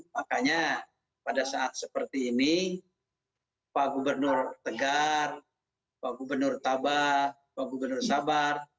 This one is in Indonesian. makanya pada saat seperti ini pak gubernur tegar pak gubernur tabah pak gubernur sabar